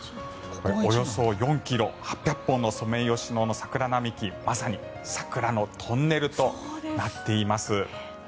およそ４ｋｍ８００本のソメイヨシノの桜並木まさに桜のトンネルとなっています。